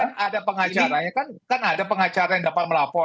kan ada pengacaranya kan ada pengacara yang dapat melapor